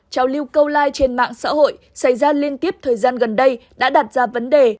trào lưu câu like trên mạng xã hội xảy ra liên tiếp thời gian gần đây đã đặt ra vấn đề